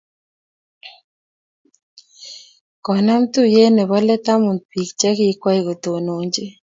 koonam tuyie nebo let amut biik che kikwei kotononchi.